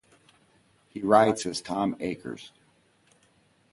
He writes as Tim Akers.